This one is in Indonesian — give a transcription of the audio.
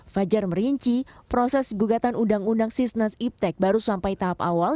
fajar merinci proses gugatan undang undang sisnas iptek baru sampai tahap awal